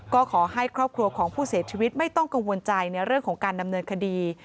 ก็ขอให้ครอบครัวของผู้เสียชีวิตไม่ต้องกังวลใจในเรื่องของการดำเนินคดี